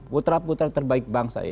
putra putra terbaik bangsa